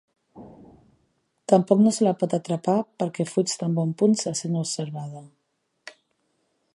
Tampoc no se la pot atrapar perquè fuig tan bon punt se sent observada.